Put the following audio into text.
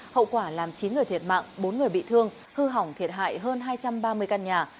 hậu quả làm chín người thiệt mạng bốn người bị thương hư hỏng thiệt hại hơn hai trăm ba mươi căn nhà